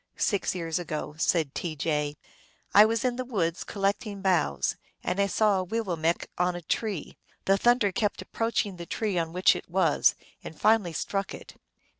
" Six years ago," said T. J., " I was in the woods collecting boughs, and I saw a weewillmekq 1 on a tree. The thunder kept approaching the tree on which it was, and finally struck it.